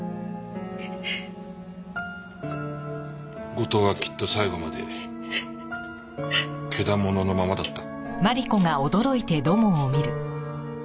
後藤はきっと最後までケダモノのままだった。